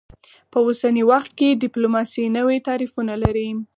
په اوسني وخت کې ډیپلوماسي نوي تعریفونه لري